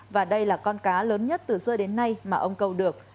và đây là con cá lớn nhất từ rơi đến nay mà ông câu được